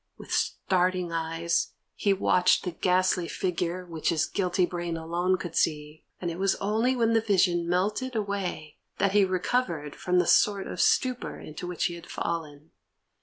With starting eyes he watched the ghastly figure which his guilty brain alone could see, and it was only when the vision melted away that he recovered from the sort of stupor into which he had fallen.